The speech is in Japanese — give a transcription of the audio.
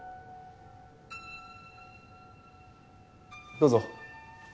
どうぞ。